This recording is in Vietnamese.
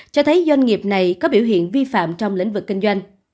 cho thấy doanh nghiệp này có biểu hiện vi phạm trong lĩnh vực kinh doanh